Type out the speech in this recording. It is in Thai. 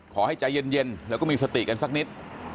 ขอให้ใจเย็นแล้วก็มีสติกันสักนิด